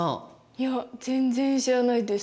いや全然知らないです。